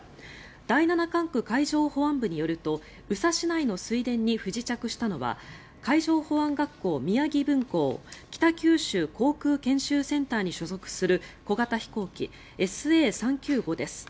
第七管区海上保安本部によると宇佐市内の水田に不時着したのは海上保安学校宮城分校北九州航空研究センターに所属する小型飛行機ＳＡ３９５です。